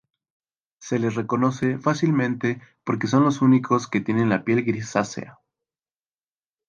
Se les reconoce fácilmente porque son los únicos que tienen la piel grisácea.